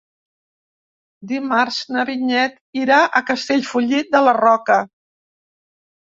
Dimarts na Vinyet irà a Castellfollit de la Roca.